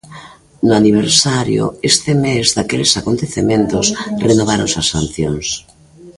No aniversario, este mes, daqueles acontecementos, renováronse as sancións.